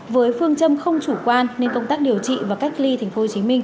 với phương châm không chủ quan nên công tác điều trị và cách ly tp hcm